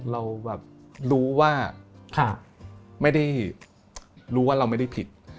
เรารู้ว่าเราไม่ได้ผิด